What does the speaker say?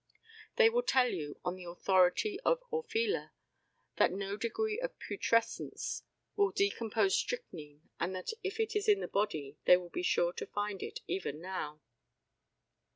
They will tell you, on the authority of Orfila, that no degree of putrescence will decompose strychnine, and that if it is in the body they would be sure to find it even now.